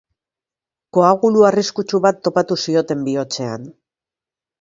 Koagulu arriskutsu bat topatu zioten bihotzean.